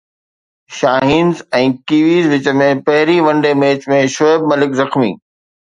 Shaheens ۽ Kiwis وچ ۾ پهرئين one day match ۾ Shoaib Malik زخمي